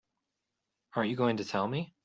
Aren't you going to tell me?